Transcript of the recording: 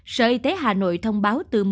sở y tế hà nội thông báo tư